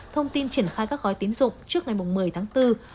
thông tin triển khai các gói tín dụng trước ngày một mươi tháng bốn